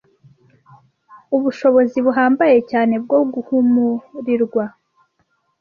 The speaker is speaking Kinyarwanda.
ubushobizi buhambaye cyane bwo guhumurirwa